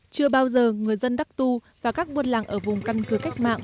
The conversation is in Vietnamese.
chưa bao giờ người dân đắc tu và các buôn làng ở vùng căn cứ cách mạng